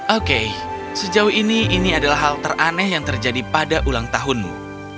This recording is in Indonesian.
oke sejauh ini ini adalah hal teraneh yang terjadi pada ulang tahunmu